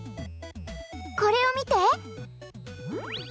これを見て！